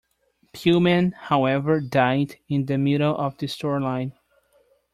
Pillman, however, died in the middle of the storyline.